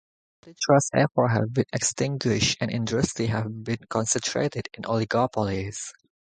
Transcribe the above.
Antitrust efforts have been extinguished and industries have become concentrated in oligopolies.